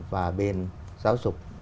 và bên giáo dục